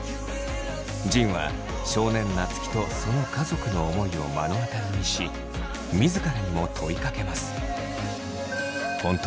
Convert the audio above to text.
仁は少年夏樹とその家族の思いを目の当たりにし自らにも問いかけます。